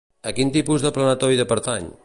A quin tipus de planetoide pertany?